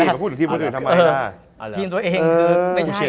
ไม่พูดถึงทีมคนอื่นทำไมนะ